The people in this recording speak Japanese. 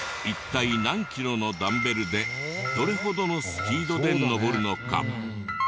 一体何キロのダンベルでどれほどのスピードで上るのか？